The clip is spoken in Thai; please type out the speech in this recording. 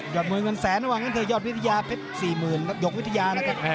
อดมวยเงินแสนระหว่างนั้นเธอยอดวิทยาเพชร๔๐๐๐หยกวิทยานะครับ